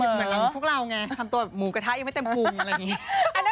เหมือนพวกเราไงทำตัวหมูกระทะยังไม่เต็มภูมิอะไรอย่างนี้